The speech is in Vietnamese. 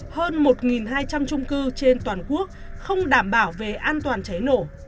hơn một hai trăm linh trung cư trên toàn quốc không đảm bảo về an toàn cháy nổ